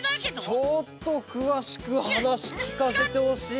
ちょっとくわしくはなしきかせてほしいな。